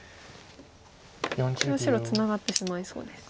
これは白ツナがってしまいそうです。